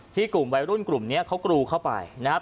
กลุ่มวัยรุ่นกลุ่มนี้เขากรูเข้าไปนะครับ